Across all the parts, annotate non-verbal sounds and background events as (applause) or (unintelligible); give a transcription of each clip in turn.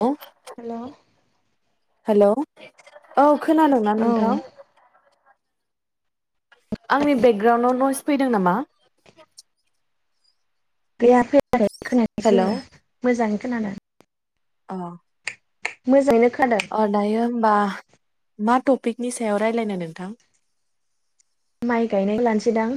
औ hello hello औ खोनादोंंना औ नोंथां आंनि बेकग्राउन्डआव नयस फैदों नामा? गैया फैयाखै खोनायाखै हेलौ जेबो मोजाङैनो खोनादों अ मोजाङैनो खादों। ओ दायो होमबा मा टपिकनि सायाव रायलायनो नोंथां? माइ गायनायखौ लानोसैदां।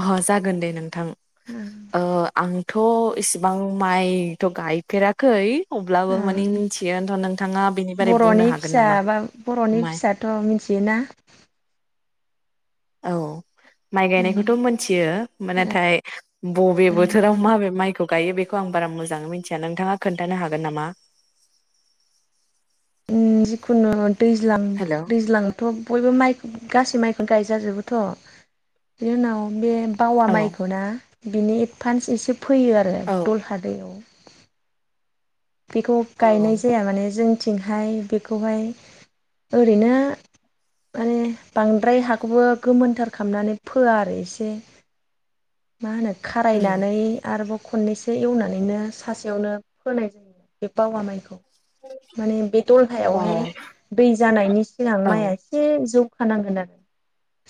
ओह जागोन दे नोंथां। ओम ओ आंथ' इसिबां माइथ' गायफेराखै अब्लाबो ओं मानि मि थियोथ' नोंथाङा बेनि बारै बुंनो बर'नि हागोन फिसा नामा बा बर'नि माइ फिसाथ' मिथियोना? औ माइ गायनायखौथ' मोनथियो नाथाय बबे बोथोराव माबे माइखौ गायो बेखौ आं बारा मोजाङै मिथिया नोंथाङा खोन्थानो हागोन नामा? ओम जिखुनु दैज्लां हेलौ दैज्लां थ' बयबो माइ गासै माइखौनो गायजाजोबोथ' बिनि उनाव बे बावा औ माइखौ ना बिनि एडभान्स एसे फैयो आरो औ दलहादैयाव। बेखौ अ गायनाय जाया माने जोंथिंहाय बेखौहाय ओरैनो माने बांद्राय हाखौबो गोमोनथार खालामनानै फोआ आरो एसे मा होनो उम खारायनानै आरोबाव खननैसो एवनानैनो सा सायावनो फोनाय बे बावा माइखौ माने बे औ दलहायावहाय दै जानायनि सिगां औ माइया उम इसे जौखानांगोन आरो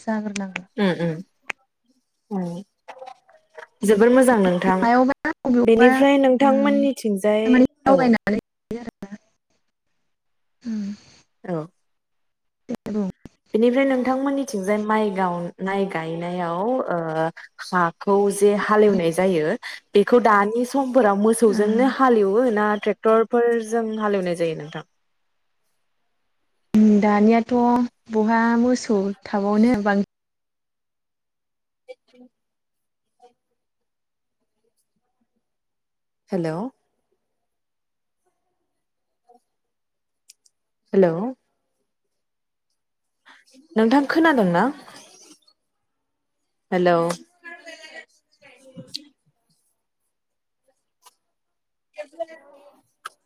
जाग्रोनांगोन। ओम ओम ओम। जोबोर मोजां नोंथां मायावबा बबेयावबा बेनिफ्राय नोंथांमोननिथिंजाय माने औ। (unintelligible) ओम। औ। दे बुं बेनिफ्राय नोंथांमोननिथिंजाय माइ गाव माइ गायनायाव ओ हाखौ जे हालेवनाय जायो बेखौ दानि समफोराव मोसौजोंनो हालेवो ना ट्रेक्टरफोरजों हालेवनाय जायो नोंथां? ओम दानियाथ' बहा मोसौ थाबावनो बां (unintelligible) हेलौ हेलौ नोंथां खोनादोंंना? हेलौ (unintelligible)